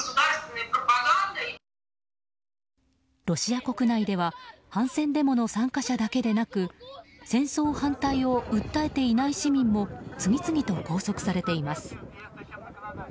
ロシア国内では反戦デモの参加者だけでなく戦争反対を訴えていない市民も次々と拘束されています。